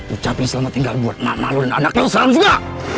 ucapin selamat tinggal buat mama lu dan anak lu seram juga